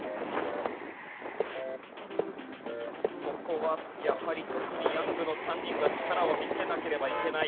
ここはやはり特にヤングの３人は力を見せなければいけない。